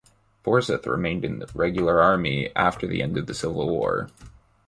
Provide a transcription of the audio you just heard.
Forsyth remained in the Regular Army after the end of the Civil War.